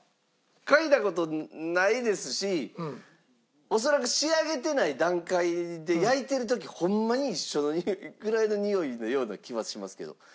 嗅いだ事ないですし恐らく仕上げてない段階で焼いてる時ホンマに一緒ぐらいのにおいのような気はしますけど。